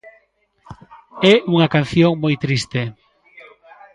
É unha canción moi triste.